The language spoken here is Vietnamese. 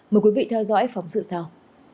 mời quý vị theo dõi phóng sự sau